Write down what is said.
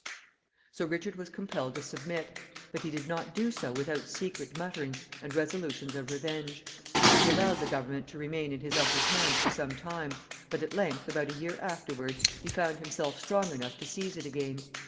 So Richard was compelled to submit; but he did not do so without secret muttering, and resolutions of revenge. He allowed the government to remain in his uncle's hands for some time, but at length, about a year afterward, he found himself strong enough to seize it again.